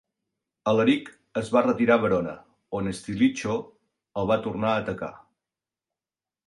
Alaric es va retirar a Verona, on Stilicho el va tornar a atacar.